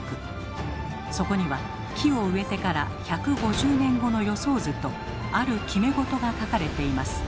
そこには木を植えてから１５０年後の予想図とある決め事が書かれています。